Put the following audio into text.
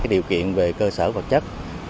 điều kiện về cơ sở vật chất